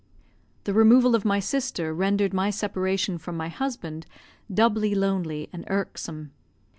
The removal of my sister rendered my separation from my husband doubly lonely and irksome.